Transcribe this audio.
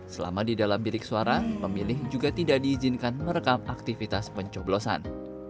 selama di dalam bilik suara pemilih juga tidak diizinkan merekam aktivitas pencoblosan